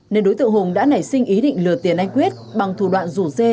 nên đối tượng hùng đã nảy sinh ý định lừa tiền anh quyết bằng thủ đoạn rủ dê